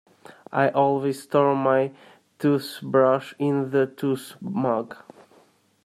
I always store my toothbrush in the toothmug.